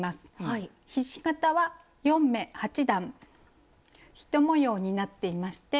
ひし形は４目８段１模様になっていまして。